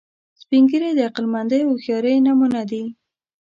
سپین ږیری د عقلمندۍ او هوښیارۍ نمونه دي